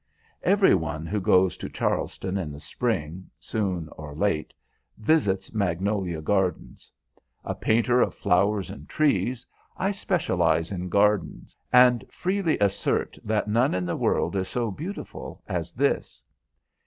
Every one who goes to Charleston in the spring, soon or late, visits Magnolia Gardens. A painter of flowers and trees, I specialize in gardens, and freely assert that none in the world is so beautiful as this.